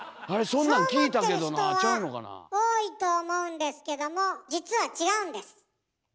そう思ってる人は多いと思うんですけども実は違うんです。